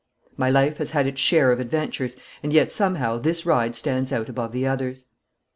My life has had its share of adventures, and yet, somehow, this ride stands out above the others.